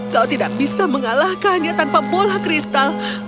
kau tidak bisa mengalahkannya tanpa bola kristal